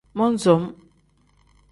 Mon-som.